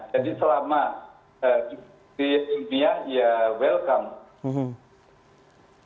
jadi selama bukti ilmiah ya welcome